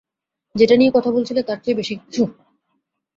যেটা নিয়ে কথা বলছিলে তারচেয়েও বেশি কিছু।